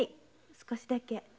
少しだけ。